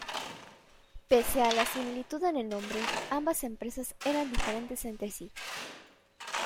Pese a la similitud en el nombre, ambas empresas eran diferentes entre sí.